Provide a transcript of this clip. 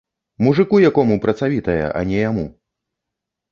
Мужыку якому працавітая, а не яму!